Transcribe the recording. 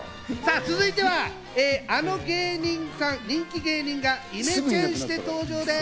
続いては、あの人気芸人さんがイメチェンして登場です。